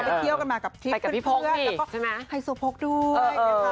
ไปเที่ยวกันมากับทิพย์เพื่อนแล้วก็ไฮโซโพกด้วยนะคะ